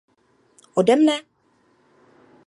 Ode mne?